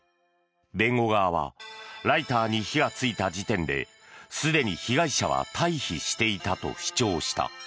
弁護側はライターに火がついた時点ですでに被害者は退避していたと主張した。